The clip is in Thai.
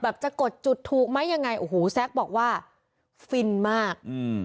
จะกดจุดถูกไหมยังไงโอ้โหแซ็กบอกว่าฟินมากอืม